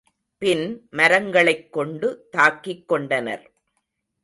பின் மரங்களைக் கொண்டு தாக்கிக் கொண்டனர்.